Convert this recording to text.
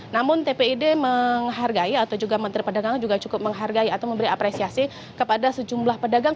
namun tpid menghargai atau juga menteri pedagang juga cukup menghargai atau memberi apresiasi kepada sejumlah pedagang